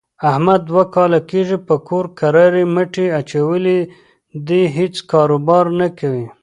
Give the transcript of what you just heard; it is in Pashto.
احمد دوه کاله کېږي په کور کرارې مټې اچولې دي، هېڅ کاروبار نه کوي.